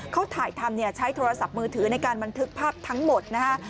เขาถ่ายทำใช้โทรศัพท์มือถือในการบันทึกภาพทั้งหมดนะฮะ